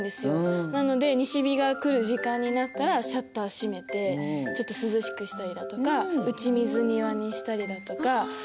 なので西日が来る時間になったらシャッター閉めてちょっと涼しくしたりだとか打ち水庭にしたりだとか。